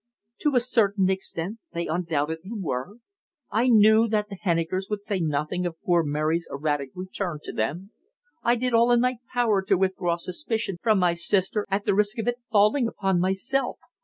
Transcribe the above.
"To a certain extent they undoubtedly were. I knew that the Hennikers would say nothing of poor Mary's erratic return to them. I did all in my power to withdraw suspicion from my sister, at the risk of it falling upon myself.